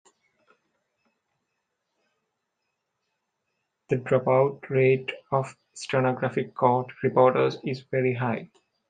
The drop-out rate of stenographic court reporters is very high.